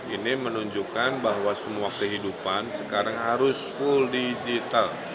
ini menunjukkan bahwa semua kehidupan sekarang harus full digital